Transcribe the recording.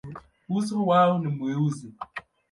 Uso wao ni mweusi.